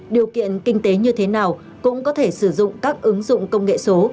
điều kiện kinh tế như thế nào cũng có thể sử dụng các ứng dụng công nghệ số